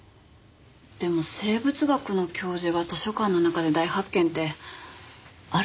でも生物学の教授が図書館の中で大発見ってあるんでしょうか？